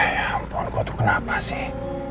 ya ampun kok itu kenapa sih